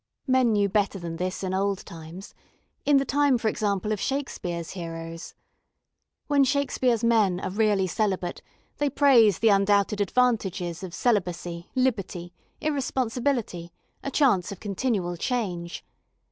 Men knew better than this in old times in the time, for example, of Shakespeare's heroes. When Shakespeare's men are really celibate they praise the undoubted advantages of celibacy, liberty, irresponsibility, a chance of continual change.